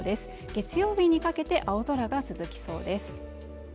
月曜日にかけて青空が続きそうです